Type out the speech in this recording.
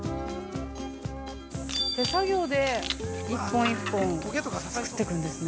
◆手作業で１本１本作ってくんですね。